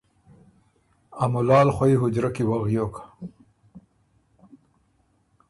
ا مُلال خوئ حُجرۀ کی وغیوک۔